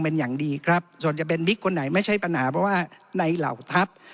เป็นอย่างดีครับส่วนจะเป็นบิ๊กคนไหนไม่ใช่ปัญหาเพราะว่าในเหล่าทัพ